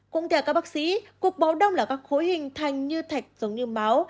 cũng theo các bác sĩ cuộc báo đông là các khối hình thành như thạch giống như máu